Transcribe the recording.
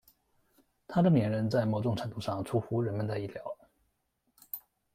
他的连任在某种程度上出乎人们的意料。